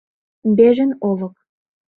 БЕЖИН ОЛЫК